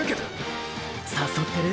誘ってる？